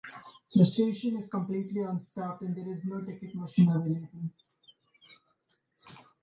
The station is completely unstaffed and there is no ticket machine available.